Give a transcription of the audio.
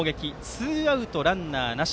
ツーアウトランナーなし。